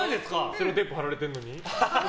セロテープ貼られてるのに？